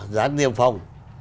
dán niêm phong